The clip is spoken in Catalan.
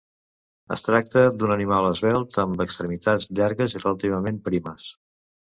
Es tracta d'un animal esvelt amb extremitats llargues i relativament primes.